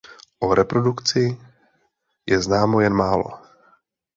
O reprodukci je známo jen málo.